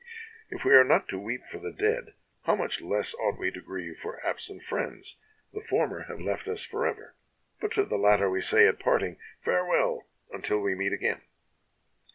"If we are not to weep for the dead; how much less ought we to grieve for absent friends! The former have left us forever, but to the latter we say at parting, ' Fare well, until we meet again.'"